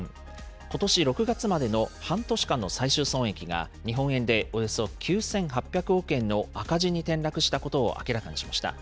ことし６月までの半年間の最終損益が日本円でおよそ９８００億円の赤字に転落したことを明らかにしました。